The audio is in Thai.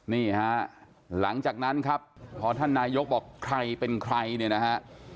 นี่ฮะหลังจากนั้นครับพอท่านนายกบอกใครเป็นใครเนี่ยนะฮะ